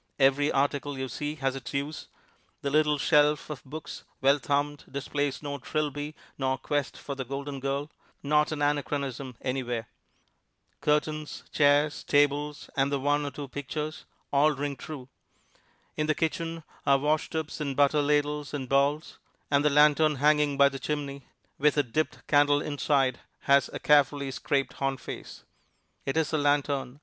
Every article you see has its use. The little shelf of books, well thumbed, displays no "Trilby" nor "Quest of the Golden Girl" not an anachronism any where. Curtains, chairs, tables, and the one or two pictures all ring true. In the kitchen are washtubs and butter ladles and bowls; and the lantern hanging by the chimney, with a dipped candle inside, has a carefully scraped horn face. It is a lanthorn.